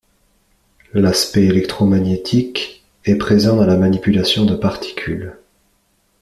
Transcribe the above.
L'aspect électromagnétique est présent dans la manipulation de particules.